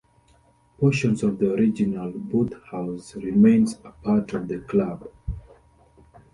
Portions of the original boathouse remain a part of the club.